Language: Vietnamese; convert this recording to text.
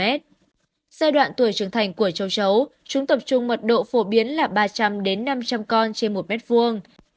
giai đoạn tuổi trưởng thành của châu chấu chúng tập trung mật độ phổ biến là ba trăm linh đến năm trăm linh con trên một mét vuông